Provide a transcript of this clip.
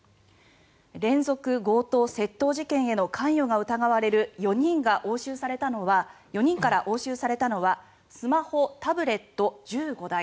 連続強盗・窃盗事件への関与が疑われる４人から押収されたのはスマホ、タブレット１５台。